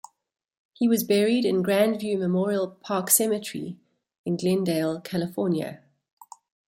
He was buried in Grand View Memorial Park Cemetery in Glendale, California.